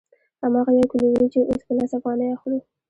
هماغه یو کیلو وریجې اوس په لس افغانۍ اخلو